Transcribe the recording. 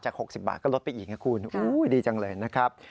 ๖๐บาทก็ลดไปอีกนะคุณดีจังเลยนะครับ